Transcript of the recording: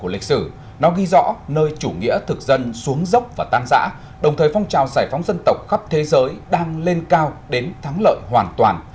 lịch sử nó ghi rõ nơi chủ nghĩa thực dân xuống dốc và tan giã đồng thời phong trào giải phóng dân tộc khắp thế giới đang lên cao đến thắng lợi hoàn toàn